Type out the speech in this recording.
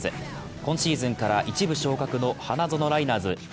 今シーズンから１部昇格の花園ライナーズ。